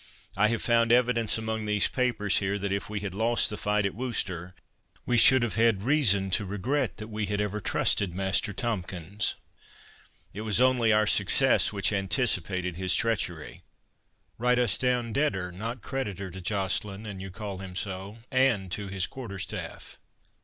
I have found evidence among these papers here, that if we had lost the fight at Worcester, we should have had reason to regret that we had ever trusted Master Tomkins—it was only our success which anticipated his treachery—write us down debtor, not creditor, to Joceline, an you call him so, and to his quarter staff."